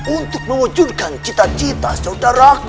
untuk mewujudkan cita cita saudaraku